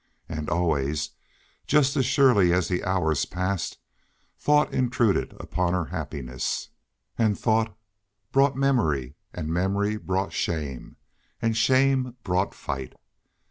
And always, just as surely as the hours passed, thought intruded upon her happiness, and thought brought memory, and memory brought shame, and shame brought fight.